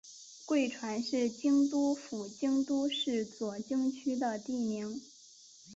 贵船是京都府京都市左京区的地名。